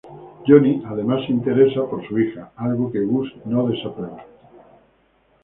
Johnny, además, se interesa por su hija, algo que Gus no desaprueba.